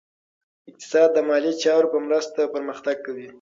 اقتصاد د مالي چارو په مرسته پرمختګ کوي.